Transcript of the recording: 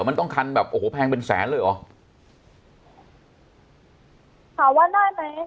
มันต้องคันแบบโอ้โหแพงเป็นแสนเลยเหรอถามว่าได้ไหม